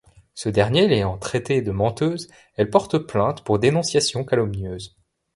Ce dernier l'ayant traitée de menteuse, elle porte plainte pour dénonciation calomnieuse.